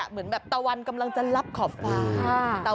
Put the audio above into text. เหมือนแบบตะวันกำลังจะรับขอบฟ้า